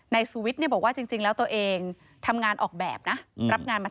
นายสุวิทร์บอกว่าจริงแล้วตัวเองทำงานออกแบบนะ